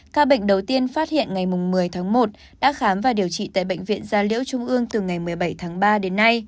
ca bệnh đầu tiên phát hiện ngày một mươi tháng một đã khám và điều trị tại bệnh viện gia liễu trung ương từ ngày một mươi bảy tháng ba đến nay